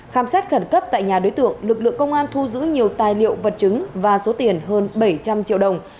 khám xét khẩn cấp tại nhà đối tượng lực lượng công an thu giữ nhiều tài liệu vật chứng và số tiền hơn bảy trăm linh triệu đồng